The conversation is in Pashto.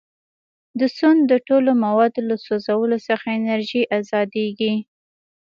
د سون د ټولو موادو له سوځولو څخه انرژي ازادیږي.